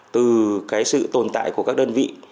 từ cái sự tồn tại của các đơn vị